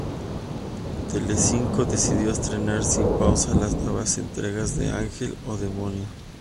Telecinco decidió estrenar, sin pausa, las nuevas entregas de "Ángel o Demonio".